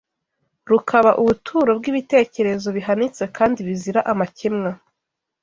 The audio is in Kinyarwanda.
rukaba ubuturo bw’ibitekerezo bihanitse kandi bizira amakemwa